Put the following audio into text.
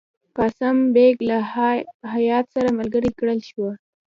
قاسم بیګ له هیات سره ملګری کړل شو.